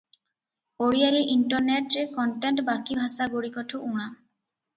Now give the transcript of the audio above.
ଓଡ଼ିଆରେ ଇଣ୍ଟରନେଟରେ କଣ୍ଟେଣ୍ଟ ବାକି ଭାଷାଗୁଡ଼ିକଠୁ ଉଣା ।